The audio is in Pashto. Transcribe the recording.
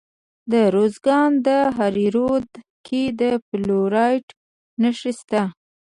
د ارزګان په دهراوود کې د فلورایټ نښې شته.